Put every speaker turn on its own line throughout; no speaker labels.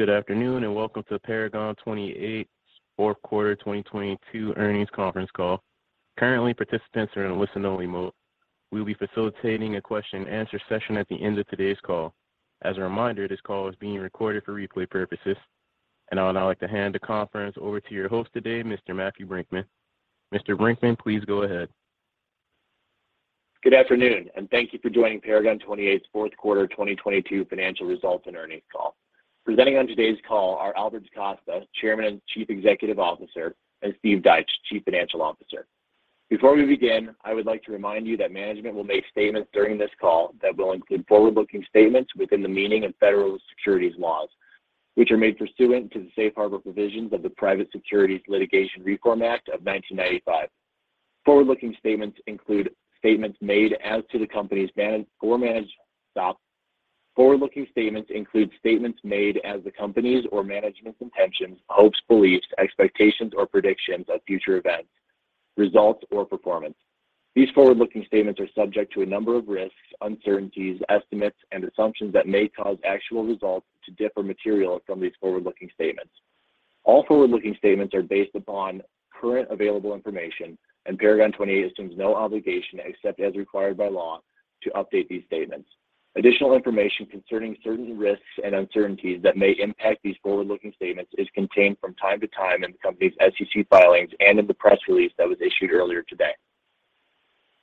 Good afternoon, welcome to Paragon 28's 4th 1/4 2022 earnings conference call. Currently, participants are in a listen only mode. We'll be facilitating a question answer session at the end of today's call. As a reminder, this call is being recorded for replay purposes. I would now like to hand the conference over to your host today, Mr. Matthew Brinckman. Mr. Brinckman, please go ahead.
Good afternoon. Thank you for joining Paragon 28's 4th 1/4 2022 financial results and earnings call. Presenting on today's call are Albert DaCosta, Chairman and Chief Executive Officer, and Steve Deitsch, Chief Financial Officer. Before we begin, I would like to remind you that management will make statements during this call that will include forward-looking statements within the meaning of federal securities laws, which are made pursuant to the safe harbor provisions of the Private Securities Litigation Reform Act of 1995. Forward-looking statements include statements made as the company's or management's intentions, hopes, beliefs, expectations, or predictions of future events, results, or performance. These forward-looking statements are subject to a number of risks, uncertainties, estimates, and assumptions that may cause actual results to differ materially from these forward-looking statements. All forward-looking statements are based upon current available information. Paragon 28 assumes no obligation, except as required by law, to update these statements. Additional information concerning certain risks and uncertainties that may impact these forward-looking statements is contained from time to time in the company's SEC filings and in the press release that was issued earlier today.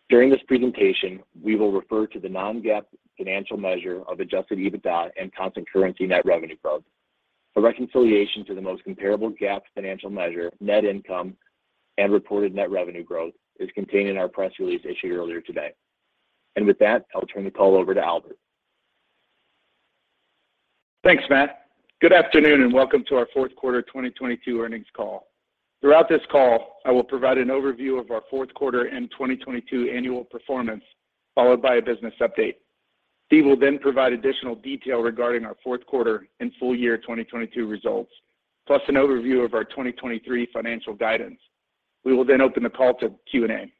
During this presentation, we will refer to the non-GAAP financial measure of adjusted EBITDA and constant currency net revenue growth. A reconciliation to the most comparable GAAP financial measure, net income and reported net revenue growth, is contained in our press release issued earlier today. With that, I'll turn the call over to Albert.
Thanks, Matt. Good afternoon, welcome to our 4th 1/4 2022 earnings call. Throughout this call, I will provide an overview of our 4th 1/4 and 2022 annual performance, followed by a business update. Steve will then provide additional detail regarding our 4th 1/4 and full year 2022 results, plus an overview of our 2023 financial guidance. We will then open the call to Q&A.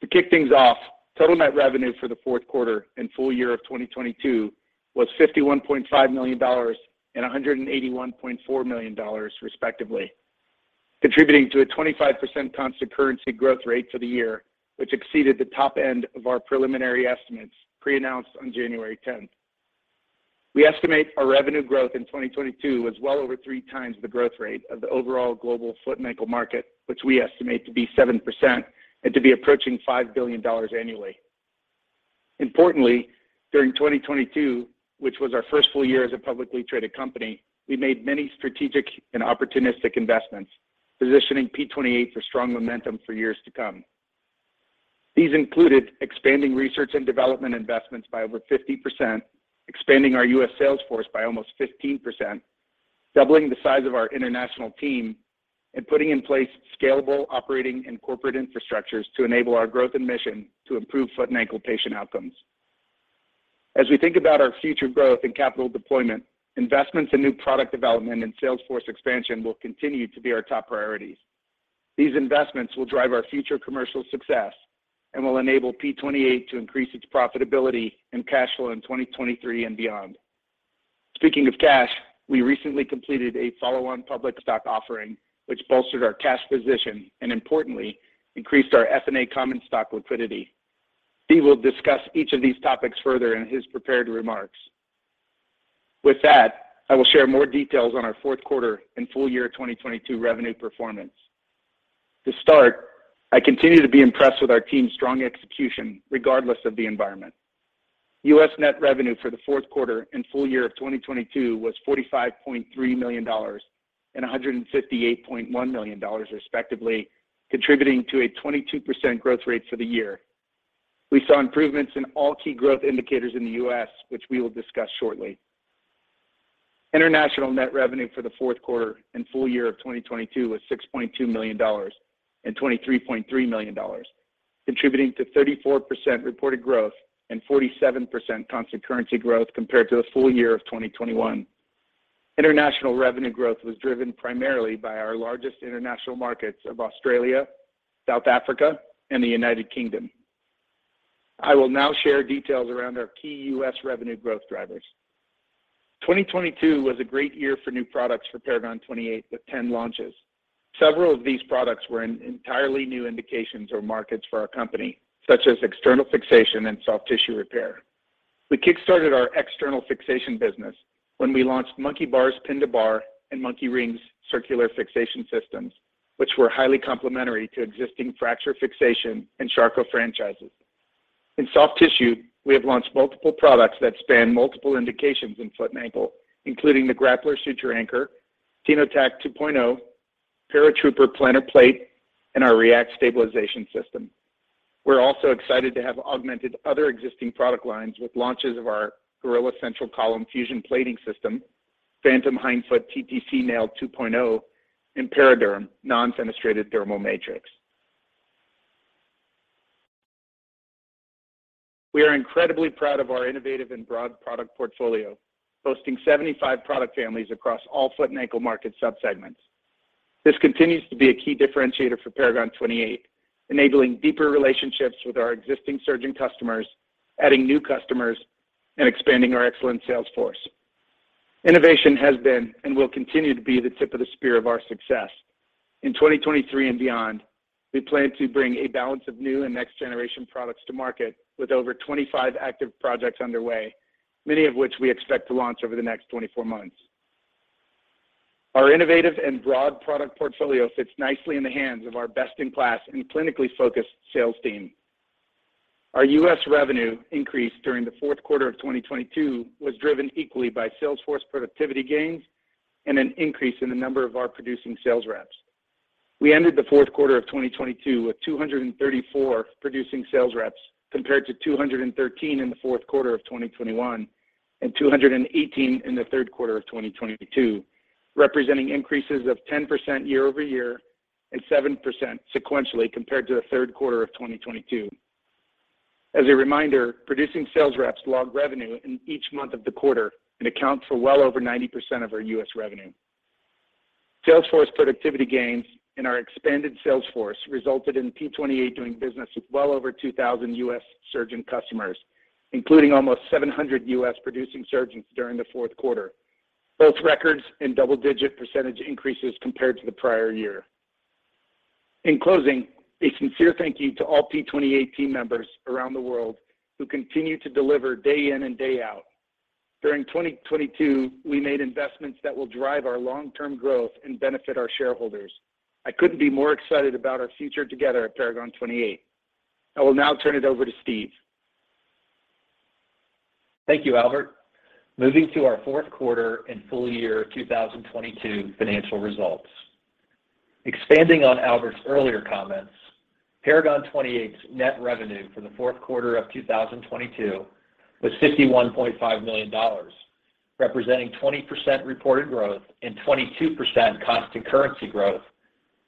To kick things off, total net revenue for the 4th 1/4 and full year of 2022 was $51.5 million and $181.4 million, respectively, contributing to a 25% constant currency growth rate for the year, which exceeded the top end of our preliminary estimates pre-announced on January 10th. We estimate our revenue growth in 2022 was well over 3 times the growth rate of the overall global foot and ankle market, which we estimate to be 7% and to be approaching $5 billion annually. Importantly, during 2022, which was our first full year as a publicly traded company, we made many strategic and opportunistic investments, positioning P28 for strong momentum for years to come. These included expanding research and development investments by over 50%, expanding our U.S. sales force by almost 15%, doubling the size of our international team, putting in place scalable operating and corporate infrastructures to enable our growth and mission to improve foot and ankle patient outcomes. As we think about our future growth and capital deployment, investments in new product development and sales force expansion will continue to be our top priorities. These investments will drive our future commercial success and will enable P28 to increase its profitability and cash flow in 2023 and beyond. Speaking of cash, we recently completed a follow-on public stock offering, which bolstered our cash position and importantly, increased our FNA common stock liquidity. Steve will discuss each of these topics further in his prepared remarks. I will share more details on our 4th 1/4 and full year 2022 revenue performance. I continue to be impressed with our team's strong execution regardless of the environment. U.S. net revenue for the 4th 1/4 and full year of 2022 was $45.3 million and $158.1 million, respectively, contributing to a 22% growth rate for the year. We saw improvements in all key growth indicators in the U.S., which we will discuss shortly. International net revenue for the 4th 1/4 and full year of 2022 was $6.2 million and $23.3 million, contributing to 34% reported growth and 47% constant currency growth compared to the full year of 2021. International revenue growth was driven primarily by our largest international markets of Australia, South Africa, and the United Kingdom. I will now share details around our key U.S. revenue growth drivers. 2022 was a great year for new products for Paragon 28 with 10 launches. Several of these products were in entirely new indications or markets for our company, such as external fixation and soft tissue repair. We kickstarted our external fixation business when we launched Monkey Bars Pin to Bar and Monkey Rings Circular External Fixation Systems, which were highly complementary to existing fracture fixation and Charcot franchises. In soft tissue, we have launched multiple products that span multiple indications in foot and ankle, including the Grappler Suture Anchor, TenoTac 2.0, Paratrooper Plantar Plate, and our R3ACT Stabilization System. We're also excited to have augmented other existing product lines with launches of our Gorilla Central Column Fusion Plating System, Phantom Hindfoot TTC Nail 2.0, and ParaDerm Non-Fenestrated Dermal Matrix. We are incredibly proud of our innovative and broad product portfolio, hosting 75 product families across all foot and ankle market sub-segments. This continues to be a key differentiator for Paragon 28, enabling deeper relationships with our existing surgeon customers, adding new customers, and expanding our excellent sales force. Innovation has been and will continue to be the tip of the spear of our success. In 2023 and beyond, we plan to bring a balance of new and next generation products to market with over 25 active projects underway, many of which we expect to launch over the next 24 months. Our innovative and broad product portfolio fits nicely in the hands of our best in class and clinically focused sales team. Our U.S. revenue increase during the 4th 1/4 of 2022 was driven equally by sales force productivity gains and an increase in the number of our producing sales reps. We ended the 4th 1/4 of 2022 with 234 producing sales reps compared to 213 in the 4th 1/4 of 2021 and 218 in the 1/3 1/4 of 2022, representing increases of 10% year-over-year and 7% sequentially compared to the 1/3 1/4 of 2022. As a reminder, producing sales reps logged revenue in each month of the 1/4 and account for well over 90% of our U.S. revenue. Sales force productivity gains and our expanded sales force resulted in P28 doing business with well over 2,000 U.S. surgeon customers, including almost 700 U.S. producing surgeons during the 4th 1/4, both records and double-digit percentage increases compared to the prior year. In closing, a sincere thank you to all P28 team members around the world who continue to deliver day in and day out. During 2022, we made investments that will drive our long-term growth and benefit our shareholders. I couldn't be more excited about our future together at Paragon 28. I will now turn it over to Steve.
Thank you, Albert. Moving to our 4th 1/4 and full year 2022 financial results. Expanding on Albert's earlier comments, Paragon 28's net revenue for the 4th 1/4 of 2022 was $51.5 million, representing 20% reported growth and 22% constant currency growth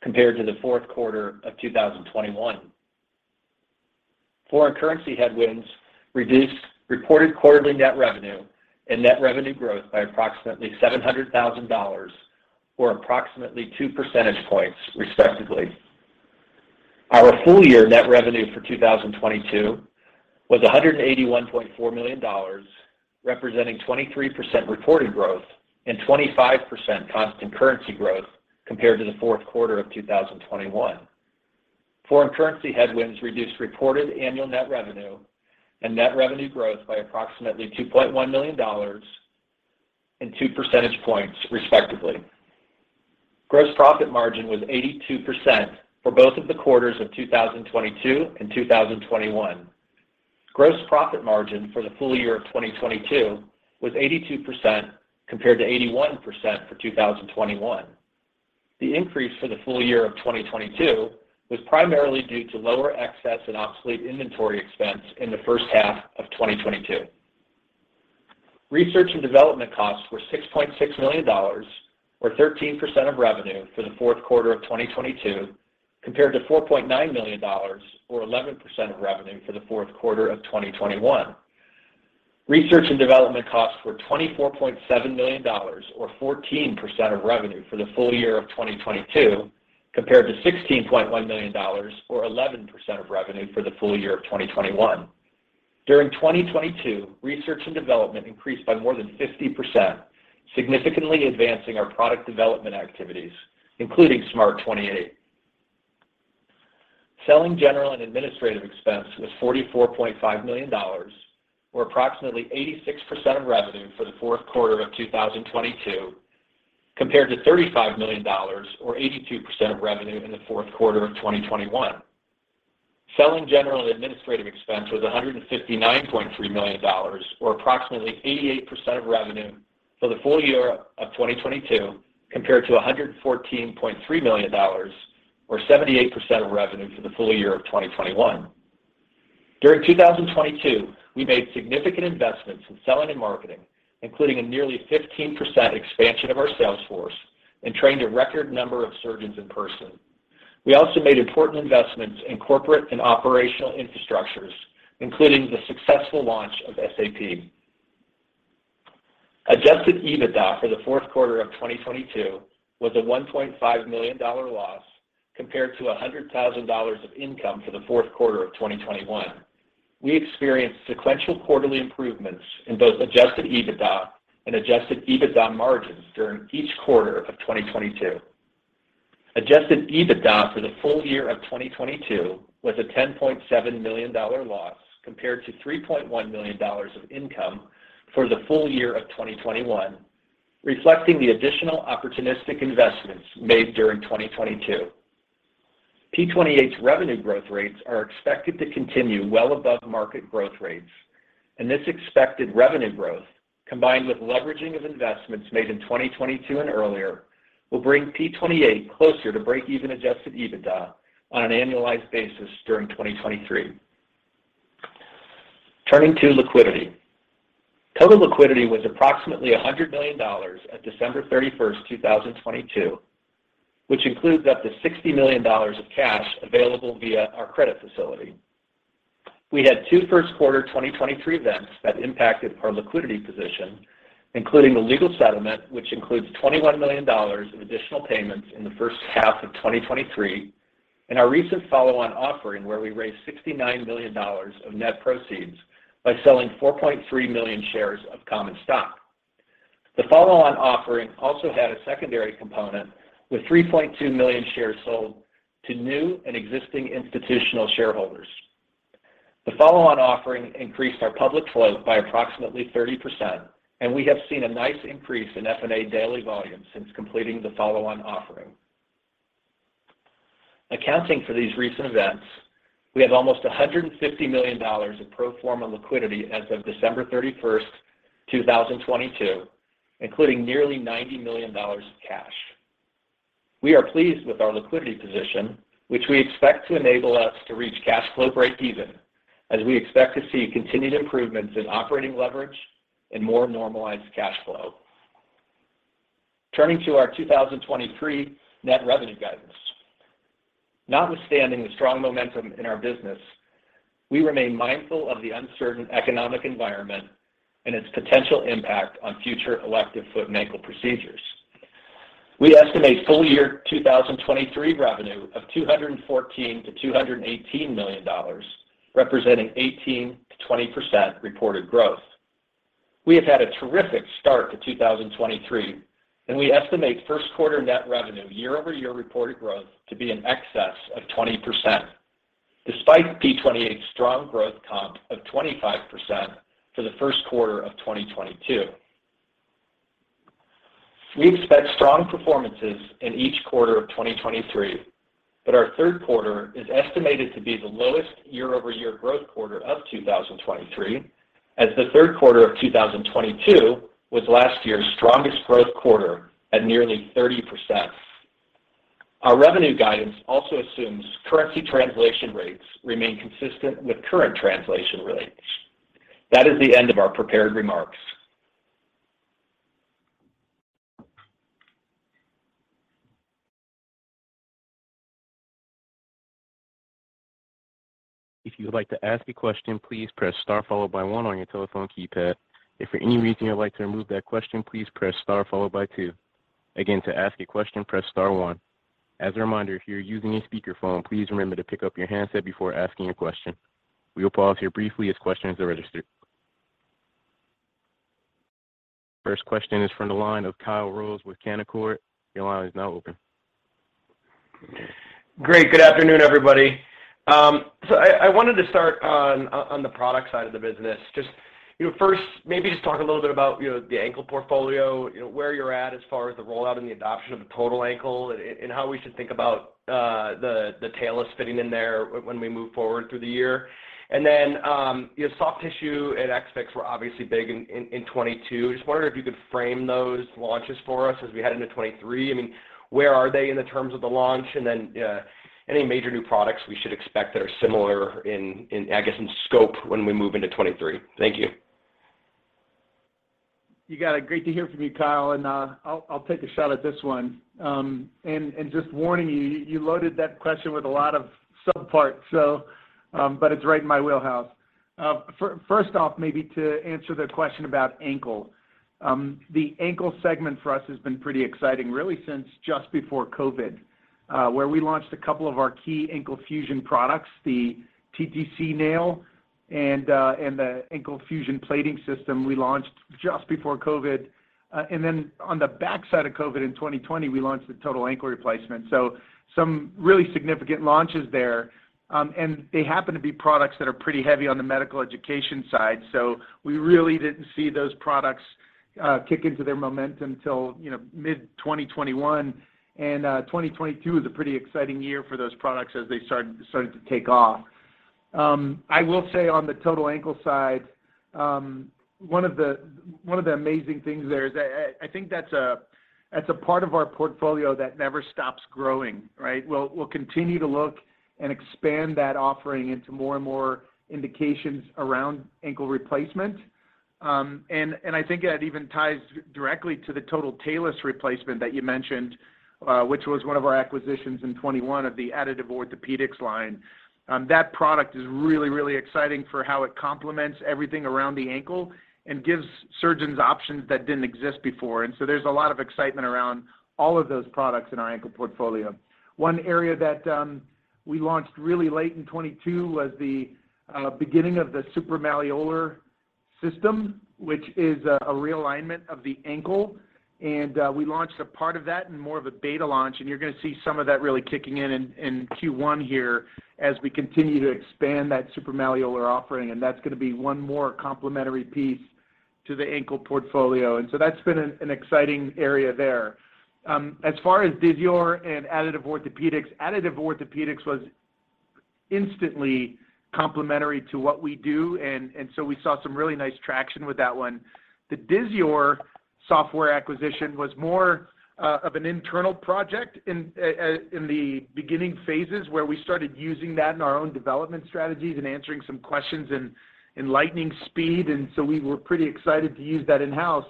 compared to the 4th 1/4 of 2021. Foreign currency headwinds reduced reported 1/4ly net revenue and net revenue growth by approximately $700,000 or approximately 2 percentage points, respectively. Our full year net revenue for 2022 was $181.4 million, representing 23% reported growth and 25% constant currency growth compared to the 4th 1/4 of 2021. Foreign currency headwinds reduced reported annual net revenue and net revenue growth by approximately $2.1 million and 2 percentage points, respectively. Gross profit margin was 82% for both of the 1/4s of 2022 and 2021. Gross profit margin for the full year of 2022 was 82% compared to 81% for 2021. The increase for the full year of 2022 was primarily due to lower excess and obsolete inventory expense in the first 1/2 of 2022. Research and development costs were $6.6 million or 13% of revenue for the 4th 1/4 of 2022 compared to $4.9 million or 11% of revenue for the 4th 1/4 of 2021. Research and development costs were $24.7 million or 14% of revenue for the full year of 2022 compared to $16.1 million or 11% of revenue for the full year of 2021. During 2022, research and development increased by more than 50%, significantly advancing our product development activities, including SMART28. Selling general and administrative expense was $44.5 million or approximately 86% of revenue for the 4th 1/4 of 2022 compared to $35 million or 82% of revenue in the 4th 1/4 of 2021. Selling general and administrative expense was $159.3 million or approximately 88% of revenue for the full year of 2022 compared to $114.3 million or 78% of revenue for the full year of 2021. During 2022, we made significant investments in selling and marketing, including a nearly 15% expansion of our sales force and trained a record number of surgeons in person. We also made important investments in corporate and operational infrastructures, including the successful launch of SAP. Adjusted EBITDA for the 4th 1/4 of 2022 was a $1.5 million loss compared to $100,000 of income for the 4th 1/4 of 2021. We experienced sequential 1/4ly improvements in both adjusted EBITDA and adjusted EBITDA margins during each 1/4 of 2022. Adjusted EBITDA for the full year of 2022 was a $10.7 million loss compared to $3.1 million of income for the full year of 2021, reflecting the additional opportunistic investments made during 2022. P28's revenue growth rates are expected to continue well above market growth rates. This expected revenue growth, combined with leveraging of investments made in 2022 and earlier, will bring P28 closer to break-even adjusted EBITDA on an annualized basis during 2023. Turning to liquidity. Total liquidity was approximately $100 million at December 31st, 2022, which includes up to $60 million of cash available via our credit facility.
We had 2 first 1/4 2023 events that impacted our liquidity position, including the legal settlement, which includes $21 million of additional payments in the first 1/2 of 2023, and our recent follow-on offering, where we raised $69 million of net proceeds by selling 4.3 million shares of common stock. The follow-on offering also had a secondary component, with 3.2 million shares sold to new and existing institutional shareholders. The follow-on offering increased our public float by approximately 30%, and we have seen a nice increase in F&A daily volume since completing the follow-on offering. Accounting for these recent events, we have almost $150 million of pro forma liquidity as of December 31st, 2022, including nearly $90 million in cash. We are pleased with our liquidity position, which we expect to enable us to reach cash flow breakeven, as we expect to see continued improvements in operating leverage and more normalized cash flow. Turning to our 2023 net revenue guidance. Notwithstanding the strong momentum in our business, we remain mindful of the uncertain economic environment and its potential impact on future elective foot and ankle procedures. We estimate full year 2023 revenue of $214 million-$218 million, representing 18%-20% reported growth. We have had a terrific start to 2023, and we estimate first 1/4 net revenue year-over-year reported growth to be in excess of 20%, despite P28's strong growth comp of 25% for the first 1/4 of 2022. We expect strong performances in each 1/4 of 2023. Our 1/3 1/4 is estimated to be the lowest year-over-year growth 1/4 of 2023, as the 1/3 1/4 of 2022 was last year's strongest growth 1/4 at nearly 30%. Our revenue guidance also assumes currency translation rates remain consistent with current translation rates. That is the end of our prepared remarks.
If you would like to ask a question, please press star followed by 1 on your telephone keypad. If for any reason you would like to remove that question, please press star followed by 2. Again, to ask a question, press star 1. As a reminder, if you're using a speakerphone, please remember to pick up your handset before asking a question. We will pause here briefly as questions are registered. First question is from the line of Kyle Rose with Canaccord. Your line is now open.
Great. Good afternoon, everybody. I wanted to start on the product side of the business. Just, you know, first maybe just talk a little bit about, you know, the ankle portfolio, you know, where you're at as far as the rollout and the adoption of the total ankle and how we should think about the talus fitting in there when we move forward through the year. You know, soft tissue and X-Fix were obviously big in 2022. Just wondering if you could frame those launches for us as we head into 2023. I mean, where are they in the terms of the launch? Any major new products we should expect that are similar in, I guess in scope when we move into 2023. Thank you.
You got it. Great to hear from you, Kyle. I'll take a shot at this 1. Just warning you loaded that question with a lot of subparts. It's right in my wheelhouse. First off, maybe to answer the question about ankle. The ankle segment for us has been pretty exciting really since just before COVID, where we launched a couple of our key ankle fusion products, the TTC nail and the ankle fusion plating system we launched just before COVID. On the backside of COVID in 2020, we launched the total ankle replacement. Some really significant launches there. They happen to be products that are pretty heavy on the medical education side. We really didn't see those products kick into their momentum till, you know, mid-2021. 2022 is a pretty exciting year for those products as they started to take off. I will say on the total ankle side, 1 of the amazing things there is I think that's a, that's a part of our portfolio that never stops growing, right? We'll continue to look and expand that offering into more and more indications around ankle replacement. I think that even ties directly to the total talus replacement that you mentioned, which was 1 of our acquisitions in 2021 of the Additive Orthopaedics line. That product is really exciting for how it complements everything around the ankle and gives surgeons options that didn't exist before. There's a lot of excitement around all of those products in our ankle portfolio. 1 area that we launched really late in 2022 was the beginning of the supramalleolar system, which is a realignment of the ankle. We launched a part of that in more of a beta launch, and you're gonna see some of that really kicking in Q1 here as we continue to expand that supramalleolar offering. That's gonna be 1 more complementary piece to the ankle portfolio. That's been an exciting area there. As far as Disior and Additive Orthopaedics, Additive Orthopaedics was instantly complementary to what we do, and so we saw some really nice traction with that 1. The Disior software acquisition was more of an internal project in the beginning phases, where we started using that in our own development strategies and answering some questions in lightning speed. We were pretty excited to use that in-house.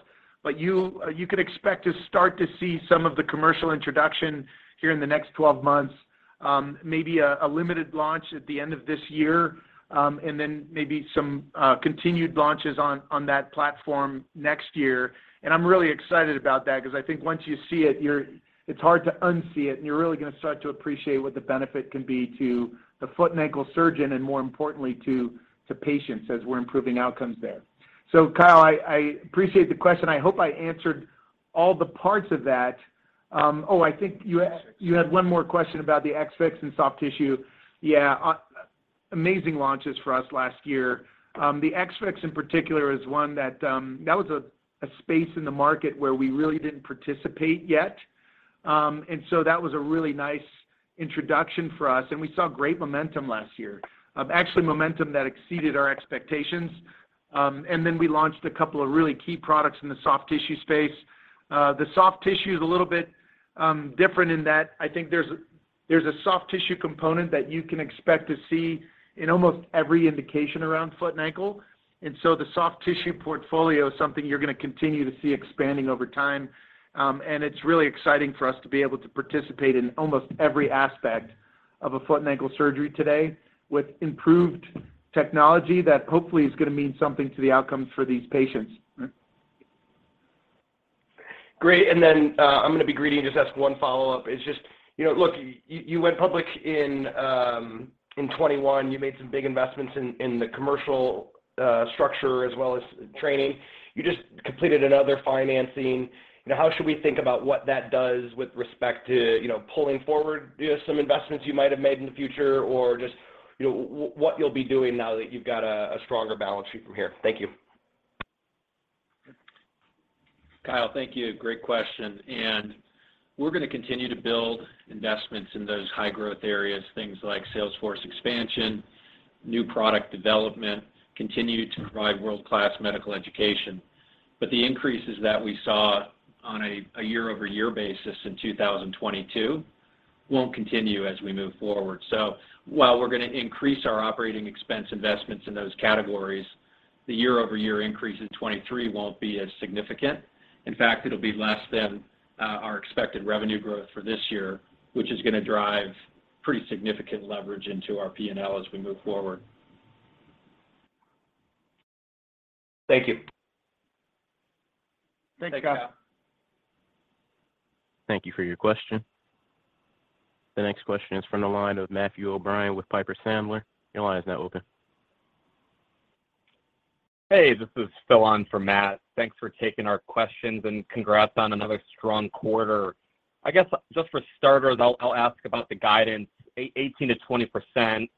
You could expect to start to see some of the commercial introduction here in the next 12 months. Maybe a limited launch at the end of this year, and then maybe some continued launches on that platform next year. I'm really excited about that because I think once you see it's hard to unsee it, and you're really going to start to appreciate what the benefit can be to the foot and ankle surgeon and, more importantly, to patients as we're improving outcomes there. Kyle, I appreciate the question. I hope I answered all the parts of that. Oh, I think you had-
X-Fix.
You had 1 more question about the X-Fix and soft tissue. Yeah, amazing launches for us last year. The X-Fix, in particular, is 1 that was a space in the market where we really didn't participate yet. That was a really nice introduction for us, and we saw great momentum last year. Actually momentum that exceeded our expectations. We launched a couple of really key products in the soft tissue space. The soft tissue is a little bit different in that I think there's a soft tissue component that you can expect to see in almost every indication around foot and ankle. The soft tissue portfolio is something you're gonna continue to see expanding over time. It's really exciting for us to be able to participate in almost every aspect of a foot and ankle surgery today with improved technology that hopefully is gonna mean something to the outcomes for these patients.
Great. Then, I'm gonna be greedy and just ask 1 follow-up. It's just, you know, look, you went public in 2021. You made some big investments in the commercial structure as well as training. You just completed another financing. You know, how should we think about what that does with respect to, you know, pulling forward, you know, some investments you might have made in the future or just, you know, what you'll be doing now that you've got a stronger balance sheet from here? Thank you.
Kyle, thank you. Great question. We're gonna continue to build investments in those high growth areas, things like sales force expansion, new product development, continue to provide world-class medical education. The increases that we saw on a year-over-year basis in 2022 won't continue as we move forward. While we're gonna increase our operating expense investments in those categories, the year-over-year increase in 2023 won't be as significant. In fact, it'll be less than our expected revenue growth for this year, which is gonna drive pretty significant leverage into our P&L as we move forward.
Thank you.
Thanks, Kyle.
Thank you for your question. The next question is from the line of Matthew O'Brien with Piper Sandler. Your line is now open.
Hey, this is Phil on for Matt. Thanks for taking our questions, and congrats on another strong 1/4. I guess just for starters, I'll ask about the guidance, 18%-20%,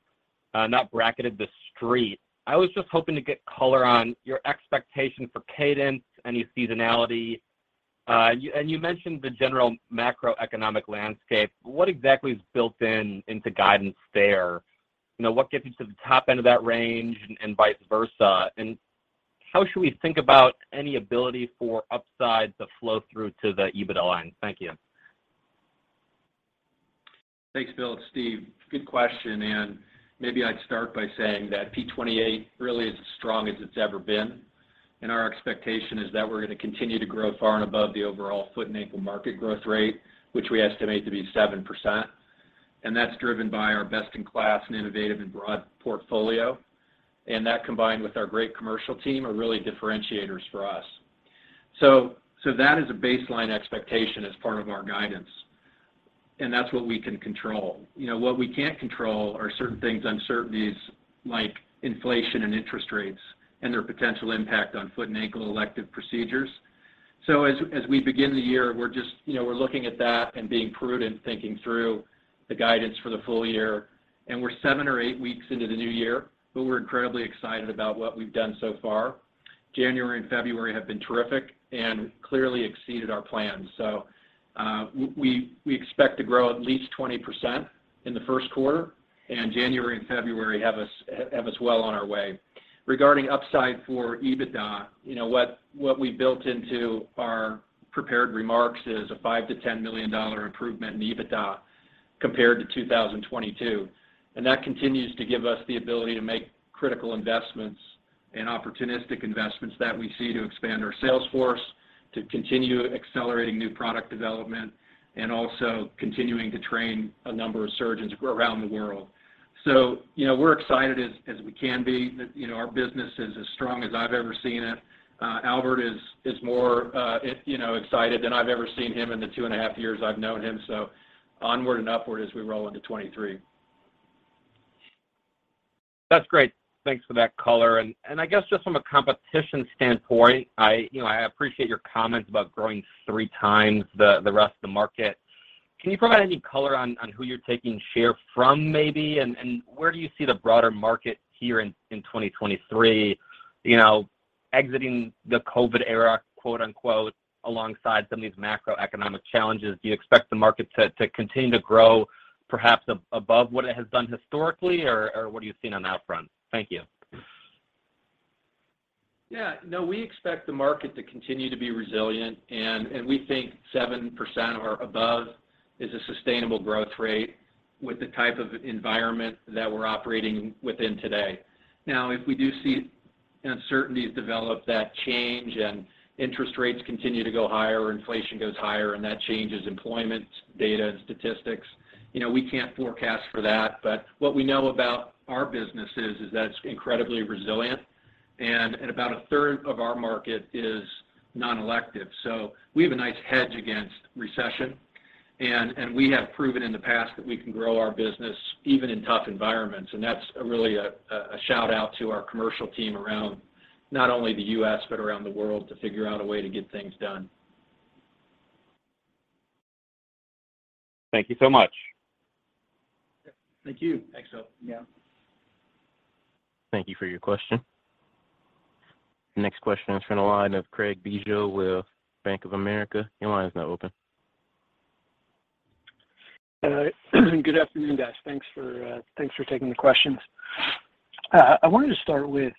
not bracketed the street. I was just hoping to get color on your expectation for cadence, any seasonality. and you mentioned the general macroeconomic landscape. What exactly is built in into guidance there? You know, what gets you to the top end of that range and vice versa? How should we think about any ability for upside to flow through to the EBITDA line? Thank you.
Thanks, Phil. Steve, good question. Maybe I'd start by saying that P28 really is as strong as it's ever been, and our expectation is that we're gonna continue to grow far and above the overall foot and ankle market growth rate, which we estimate to be 7%. That combined with our great commercial team are really differentiators for us. So that is a baseline expectation as part of our guidance, and that's what we can control. You know, what we can't control are certain things, uncertainties like inflation and interest rates and their potential impact on foot and ankle elective procedures. As we begin the year, we're just, you know, we're looking at that and being prudent, thinking through the guidance for the full year. We're 7 or eight weeks into the new year, but we're incredibly excited about what we've done so far. January and February have been terrific and clearly exceeded our plans. We expect to grow at least 20% in the first 1/4, and January and February have us well on our way. Regarding upside for EBITDA, you know, what we built into our prepared remarks is a $5 million-$10 million improvement in EBITDA compared to 2022. That continues to give us the ability to make critical investments and opportunistic investments that we see to expand our sales force, to continue accelerating new product development, and also continuing to train a number of surgeons around the world. You know, we're excited as we can be. You know, our business is as strong as I've ever seen it. Albert is more, you know, excited than I've ever seen him in the 2.5 years I've known him, onward and upward as we roll into 23.
That's great. Thanks for that color. I guess just from a competition standpoint, I, you know, I appreciate your comments about growing 3 times the rest of the market. Can you provide any color on who you're taking share from maybe, and where do you see the broader market here in 2023? You know, exiting the COVID era, quote, unquote, "alongside some of these macroeconomic challenges," do you expect the market to continue to grow perhaps above what it has done historically, or what are you seeing on that front? Thank you.
Yeah. No, we expect the market to continue to be resilient, and we think 7% or above is a sustainable growth rate with the type of environment that we're operating within today. If we do see uncertainties develop that change and interest rates continue to go higher or inflation goes higher, and that changes employment data and statistics. You know, we can't forecast for that. What we know about our business is that it's incredibly resilient and about a 1/3 of our market is non-elective. We have a nice hedge against recession. We have proven in the past that we can grow our business even in tough environments. That's really a shout-out to our commercial team around not only the U.S., but around the world to figure out a way to get things done.
Thank you so much.
Yeah. Thank you. Thanks, Phil.
Yeah.
Thank you for your question. Next question is from the line of Craig Bijou with Bank of America. Your line is now open.
Good afternoon, guys. Thanks for, thanks for taking the questions. I wanted to start with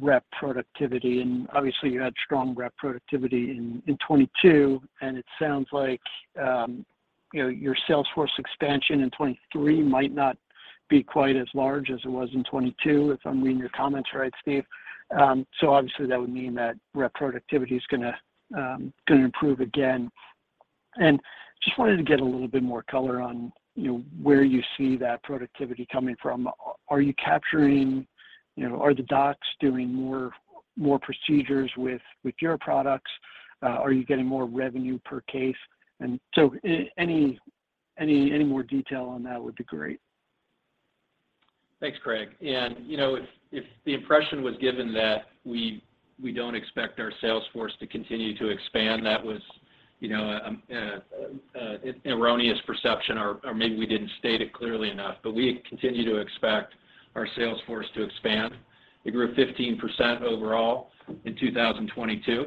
rep productivity, and obviously you had strong rep productivity in 2022. It sounds like, you know, your sales force expansion in 2023 might not be quite as large as it was in 2022, if I'm reading your comments right, Steve. So obviously that would mean that rep productivity is gonna improve again. Just wanted to get a little bit more color on, you know, where you see that productivity coming from. Are you capturing... You know, are the docs doing more procedures with your products? Are you getting more revenue per case? So any more detail on that would be great.
Thanks, Craig. You know, if the impression was given that we don't expect our sales force to continue to expand, that was, you know, an erroneous perception or maybe we didn't state it clearly enough. We continue to expect our sales force to expand. It grew 15% overall in 2022,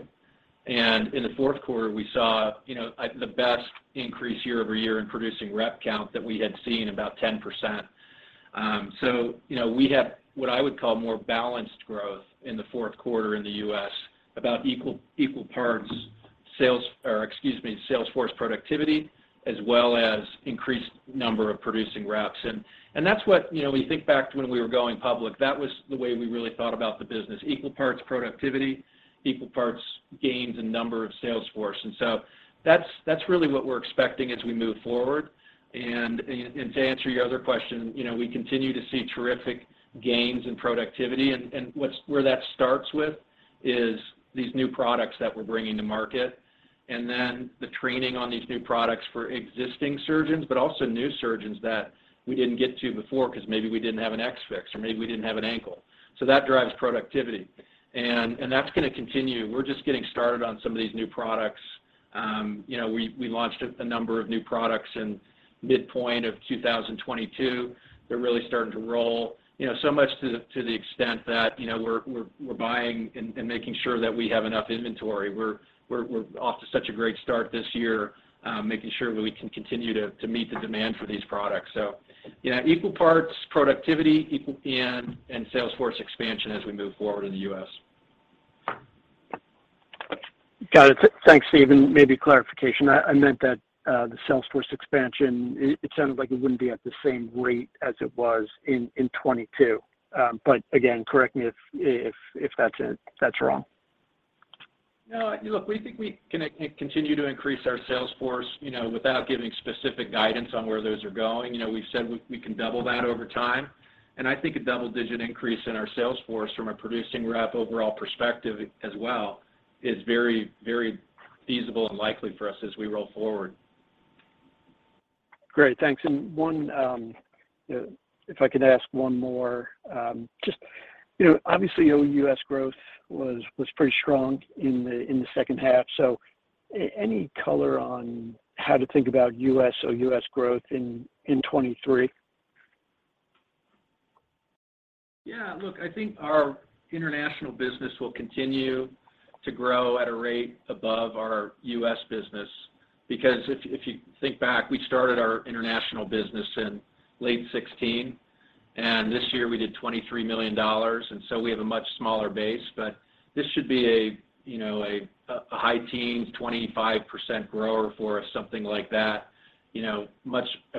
in the 4th 1/4 we saw, you know, the best increase year-over-year in producing rep count that we had seen, about 10%. You know, we have what I would call more balanced growth in the 4th 1/4 in the U.S., about equal parts sales... or excuse me, sales force productivity as well as increased number of producing reps. That's what... You know, we think back to when we were going public, that was the way we really thought about the business, equal parts productivity, equal parts gains and number of sales force. That's really what we're expecting as we move forward. To answer your other question, you know, we continue to see terrific gains in productivity. Where that starts with is these new products that we're bringing to market, and then the training on these new products for existing surgeons, but also new surgeons that we didn't get to before because maybe we didn't have an X-Fix or maybe we didn't have an ankle. That drives productivity. That's gonna continue. We're just getting started on some of these new products. You know, we launched a number of new products in midpoint of 2022. They're really starting to roll, you know, so much to the extent that, you know, we're buying and making sure that we have enough inventory. We're off to such a great start this year, making sure that we can continue to meet the demand for these products. You know, equal parts productivity and sales force expansion as we move forward in the U.S.
Got it. Thanks, Steve, and maybe clarification. I meant that the sales force expansion, it sounds like it wouldn't be at the same rate as it was in '22. Again, correct me if that's wrong.
No. Look, we think we can continue to increase our sales force. You know, without giving specific guidance on where those are going, you know, we've said we can double that over time. I think a double-digit increase in our sales force from a producing rep overall perspective as well is very, very feasible and likely for us as we roll forward.
Great. Thanks. If I could ask 1 more. Just, you know, obviously OUS growth was pretty strong in the second 1/2. Any color on how to think about US or US growth in 2023?
Look, I think our international business will continue to grow at a rate above our U.S. business because if you think back, we started our international business in late 2016, this year we did $23 million. We have a much smaller base. This should be a, you know, a high teens, 25% grower for us, something like that. You know,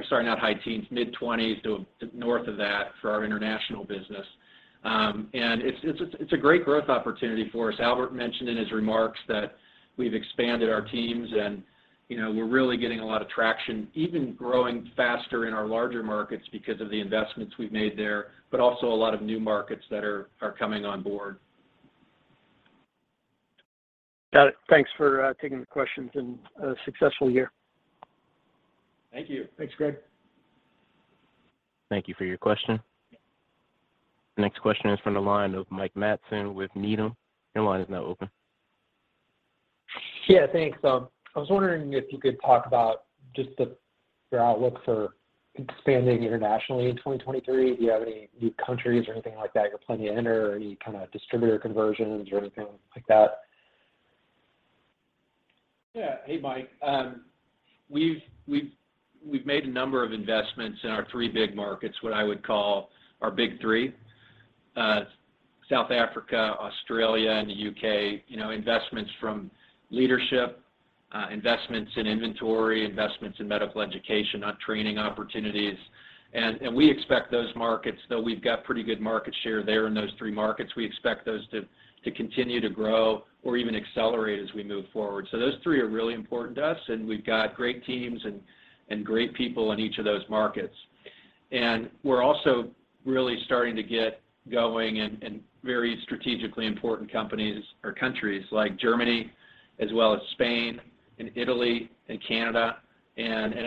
Sorry, not high teens, mid-20s to north of that for our international business. It's a great growth opportunity for us. Albert mentioned in his remarks that we've expanded our teams, you know, we're really getting a lot of traction, even growing faster in our larger markets because of the investments we've made there, but also a lot of new markets that are coming on board.
Got it. Thanks for taking the questions, and a successful year.
Thank you.
Thanks, Craig.
Thank you for your question. The next question is from the line of Mike Matson with Needham. Your line is now open.
Yeah, thanks. I was wondering if you could talk about just your outlook for expanding internationally in 2023. Do you have any new countries or anything like that you're planning to enter, or any kind of distributor conversions or anything like that?
Hey, Mike. We've made a number of investments in our 3 big markets, what I would call our big 3: South Africa, Australia, and the U.K. You know, investments from leadership, investments in inventory, investments in medical education on training opportunities. We expect those markets, though we've got pretty good market share there in those 3 markets, we expect those to continue to grow or even accelerate as we move forward. Those 3 are really important to us, and we've got great teams and great people in each of those markets. We're also really starting to get going in very strategically important companies or countries like Germany as well as Spain and Italy and Canada.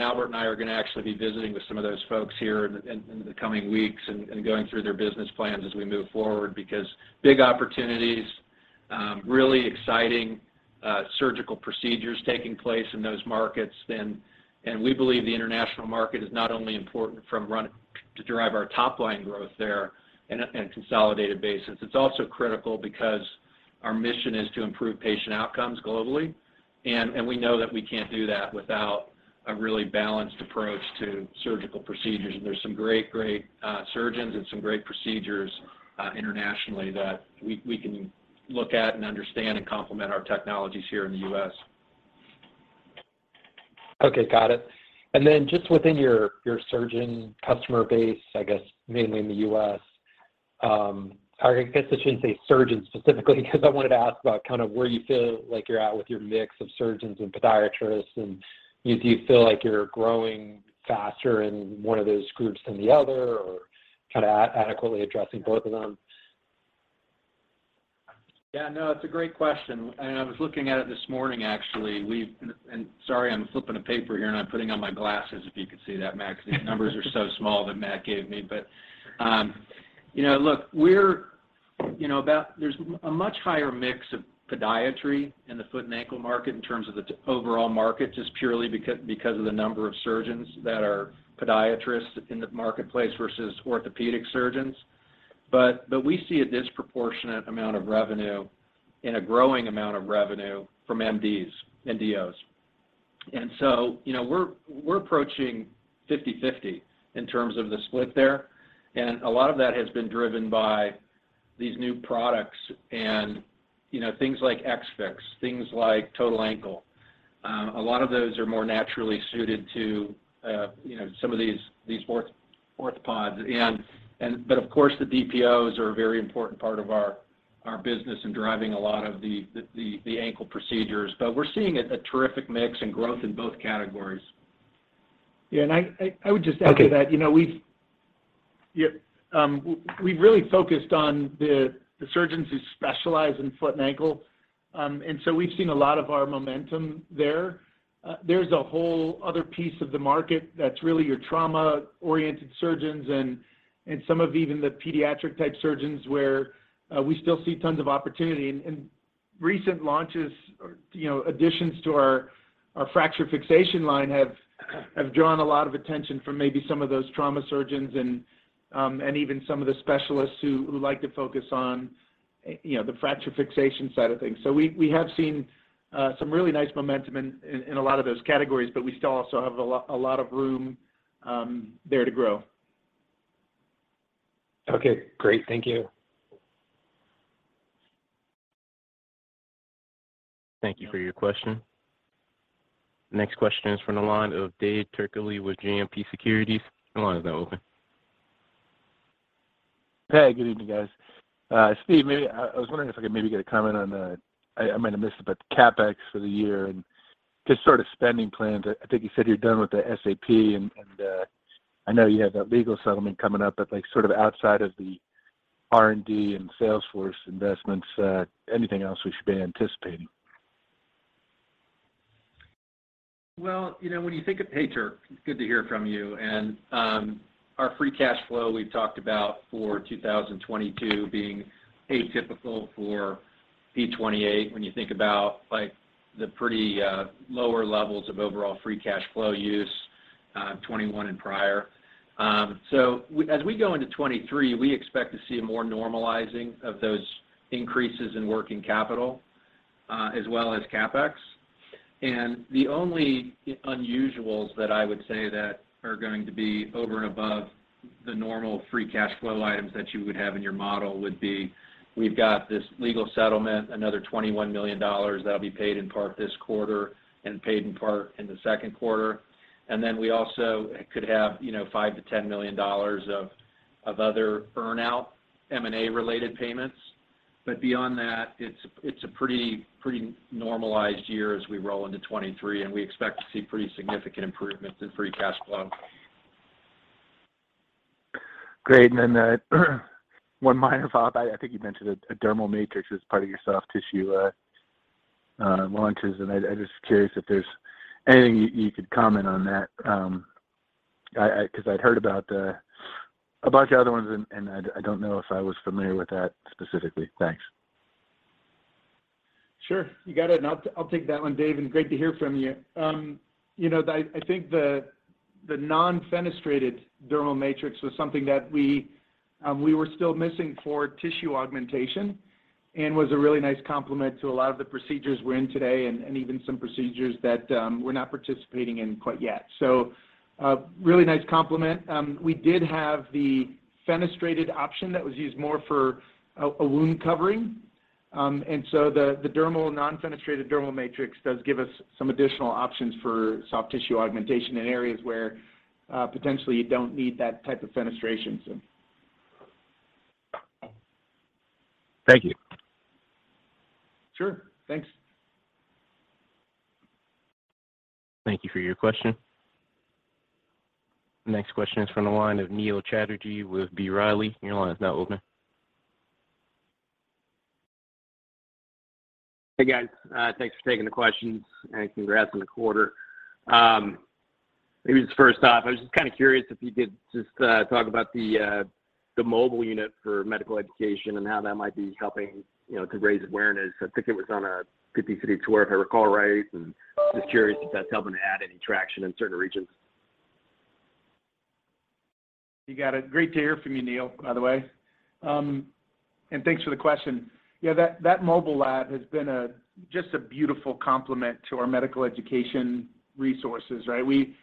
Albert and I are gonna actually be visiting with some of those folks here in the coming weeks and going through their business plans as we move forward because big opportunities, really exciting surgical procedures taking place in those markets. We believe the international market is not only important to drive our top line growth there in a consolidated basis, it's also critical because our mission is to improve patient outcomes globally, and we know that we can't do that without a really balanced approach to surgical procedures. There's some great surgeons and some great procedures internationally that we can look at and understand and complement our technologies here in the U.S.
Okay, got it. Just within your surgeon customer base, I guess mainly in the US, or I guess I shouldn't say surgeons specifically because I wanted to ask about kind of where you feel like you're at with your mix of surgeons and podiatrists, and do you feel like you're growing faster in 1 of those groups than the other or kind of adequately addressing both of them?
Yeah, no, it's a great question, and I was looking at it this morning actually. Sorry, I'm flipping a paper here, and I'm putting on my glasses if you could see that, Max. The numbers are so small that Matt gave me. You know, look, we're, you know, there's a much higher mix of podiatry in the foot and ankle market in terms of the overall market, just purely because of the number of surgeons that are podiatrists in the marketplace versus orthopedic surgeons. We see a disproportionate amount of revenue and a growing amount of revenue from MDs and DOs. You know, we're approaching 50/50 in terms of the split there, and a lot of that has been driven by these new products and, you know, things like X-Fix, things like Total Ankle. A lot of those are more naturally suited to, you know, some of these orthopods. Of course, the DPOs are a very important part of our business in driving a lot of the ankle procedures. We're seeing a terrific mix and growth in both categories.
Yeah, I would just add to that-
Okay...
you know, we've, yeah, we've really focused on the surgeons who specialize in foot and ankle. We've seen a lot of our momentum there. There's a whole other piece of the market that's really your trauma-oriented surgeons and some of even the pediatric-type surgeons where, we still see tons of opportunity. Recent launches or, you know, additions to our fracture fixation line have drawn a lot of attention from maybe some of those trauma surgeons and even some of the specialists who like to focus on, you know, the fracture fixation side of things. We have seen some really nice momentum in a lot of those categories, but we still also have a lot of room there to grow.
Okay, great. Thank you.
Thank you for your question. Next question is from the line of Dave Turkaly with JMP Securities. Your line is now open.
Hey, good evening, guys. Steve, maybe I was wondering if I could maybe get a comment on, I might have missed it, but CapEx for the year and just sort of spending plans. I think you said you're done with the SAP, and, I know you have that legal settlement coming up, but like sort of outside of the R&D and Salesforce investments, anything else we should be anticipating?
Well, you know, Hey, Turk, it's good to hear from you. Our free cash flow we've talked about for 2022 being atypical for P28 when you think about like the pretty, lower levels of overall free cash flow use, 2021 and prior. As we go into 2023, we expect to see a more normalizing of those increases in working capital, as well as CapEx. The only unusuals that I would say that are going to be over and above the normal free cash flow items that you would have in your model would be, we've got this legal settlement, another $21 million that'll be paid in part this 1/4 and paid in part in the second 1/4. Then we also could have, you know, $5 million-$10 million of other earnout M&A related payments. Beyond that, it's a pretty normalized year as we roll into 2023, and we expect to see pretty significant improvements in free cash flow.
Great. 1 minor follow-up. I think you mentioned a dermal matrix as part of your soft tissue launches. I'm just curious if there's anything you could comment on that, because I'd heard about a bunch of other ones and I don't know if I was familiar with that specifically. Thanks.
Sure. You got it. I'll take that 1, Dave, and great to hear from you. You know, I think the non-fenestrated dermal matrix was something that we were still missing for tissue augmentation and was a really nice complement to a lot of the procedures we're in today and even some procedures that we're not participating in quite yet. A really nice complement. We did have the fenestrated option that was used more for a wound covering. The dermal, non-fenestrated dermal matrix does give us some additional options for soft tissue augmentation in areas where potentially you don't need that type of fenestration.
Thank you.
Sure. Thanks.
Thank you for your question. Next question is from the line of Neil Chatterji with B. Riley. Your line is now open.
Hey, guys. Thanks for taking the questions, and congrats on the 1/4. Maybe just first off, I was just kinda curious if you could just talk about the mobile unit for medical education and how that might be helping, you know, to raise awareness. I think it was on a 50-city tour, if I recall right, and just curious if that's helping to add any traction in certain regions.
You got it. Great to hear from you, Neil, by the way, and thanks for the question. Yeah, that mobile lab has been just a beautiful complement to our medical education resources, right? We,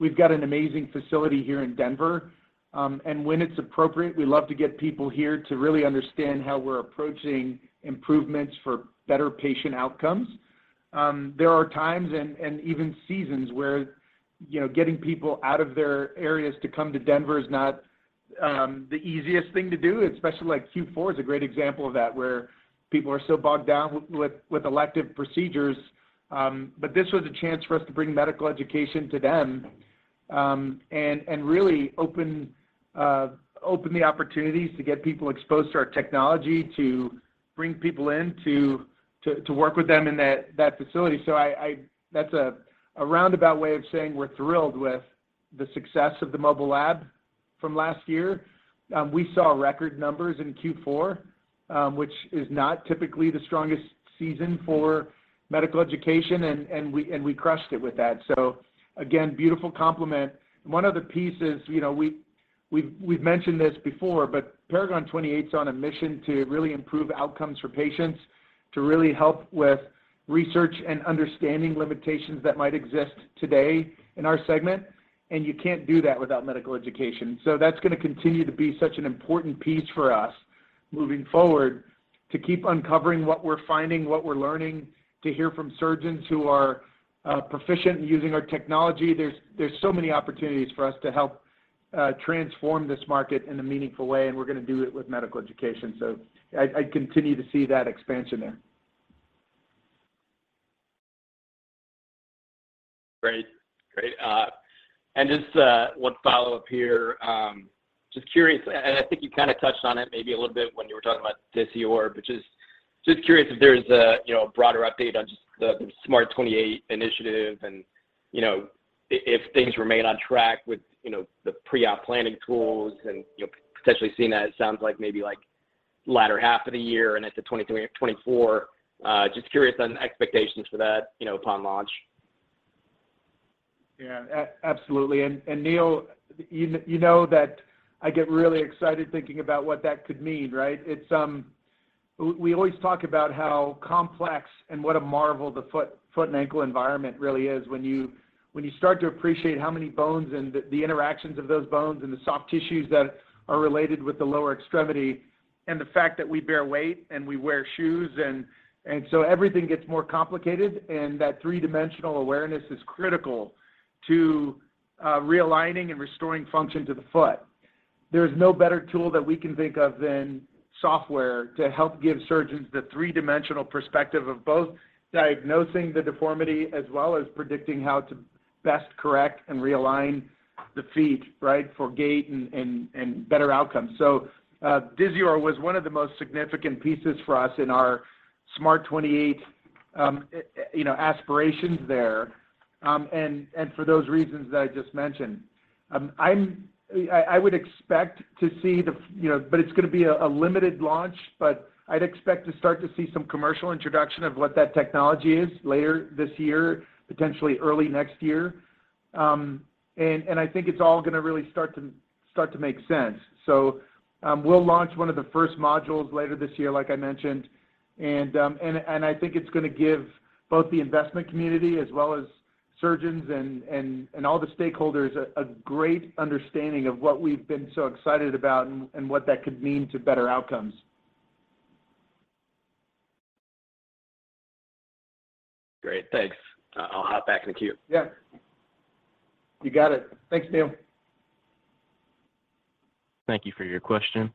we've got an amazing facility here in Denver, and when it's appropriate, we love to get people here to really understand how we're approaching improvements for better patient outcomes. There are times and even seasons where, you know, getting people out of their areas to come to Denver is not the easiest thing to do, especially like Q4 is a great example of that, where people are so bogged down with elective procedures. This was a chance for us to bring medical education to them, and really open the opportunities to get people exposed to our technology, to bring people in to work with them in that facility. That's a roundabout way of saying we're thrilled with the success of the mobile lab from last year. We saw record numbers in Q4, which is not typically the strongest season for medical education and we crushed it with that. Again, beautiful complement. 1 of the pieces, you know, we've mentioned this before, but Paragon 28 is on a mission to really improve outcomes for patients, to really help with research and understanding limitations that might exist today in our segment, and you can't do that without medical education. That's gonna continue to be such an important piece for us moving forward to keep uncovering what we're finding, what we're learning, to hear from surgeons who are proficient in using our technology. There's so many opportunities for us to help transform this market in a meaningful way, and we're gonna do it with medical education. I continue to see that expansion there.
Great. Great. Just 1 follow-up here. Just curious, and I think you kinda touched on it maybe a little bit when you were talking about Disior, just curious if there's a, you know, a broader update on just the SMART28 initiative and, you know, if things remain on track with, you know, the pre-op planning tools and, you know, potentially seeing that it sounds like maybe like latter 1/2 of the year and into 2023 or 2024. Just curious on expectations for that, you know, upon launch.
Yeah. Absolutely. Neil, you know that I get really excited thinking about what that could mean, right? We always talk about how complex and what a marvel the foot and ankle environment really is when you start to appreciate how many bones and the interactions of those bones and the soft tissues that are related with the lower extremity and the fact that we bear weight and we wear shoes and so everything gets more complicated. That 3-dimensional awareness is critical to realigning and restoring function to the foot. There's no better tool that we can think of than software to help give surgeons the 3-dimensional perspective of both diagnosing the deformity as well as predicting how to best correct and realign the feet, right, for gait and better outcomes. Disior was 1 of the most significant pieces for us in our SMART28, you know, aspirations there, and for those reasons that I just mentioned. I would expect to see, you know, but it's gonna be a limited launch, but I'd expect to start to see some commercial introduction of what that technology is later this year, potentially early next year. I think it's all gonna really start to make sense. We'll launch 1 of the first modules later this year, like I mentioned, and I think it's gonna give both the investment community as well as surgeons and all the stakeholders a great understanding of what we've been so excited about and what that could mean to better outcomes.
Great. Thanks. I'll hop back in the queue.
You got it. Thanks, Neil.
Thank you for your question.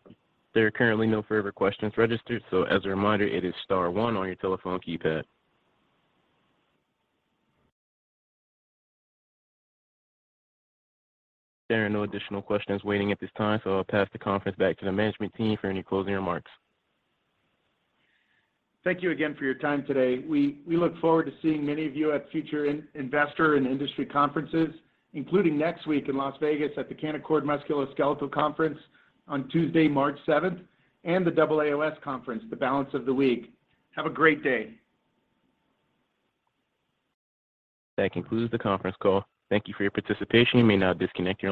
There are currently no further questions registered, so as a reminder, it is star 1 on your telephone keypad. There are no additional questions waiting at this time, so I'll pass the conference back to the management team for any closing remarks.
Thank you again for your time today. We look forward to seeing many of you at future investor and industry conferences, including next week in Las Vegas at the Canaccord Musculoskeletal Conference on Tuesday, March 7th, and the AAOS conference, the balance of the week. Have a great day.
That concludes the conference call. Thank you for your participation. You may now disconnect your lines.